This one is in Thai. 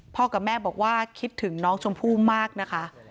กับแม่บอกว่าคิดถึงน้องชมพู่มากนะคะ